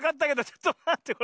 ちょっとまってよ。